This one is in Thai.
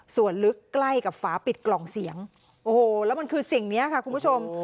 ส่วนลึกใกล้กับฝาปิดกล่องเสียงโอ้โหแล้วมันคือสิ่งนี้ค่ะคุณผู้ชม